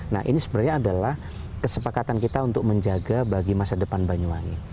nah ini sebenarnya adalah kesepakatan kita untuk menjaga bagi masa depan banyuwangi